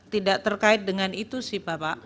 tidak terkait dengan itu sih bapak